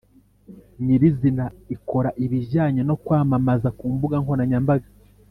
nyiri izina ikora ibijyanye no kwamamaza ku mbuga nkoranyambaga.